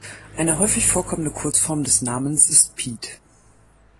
Eine häufig vorkommende Kurzform des Namens ist Piet.